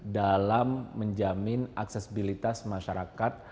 dalam menjamin aksesibilitas masyarakat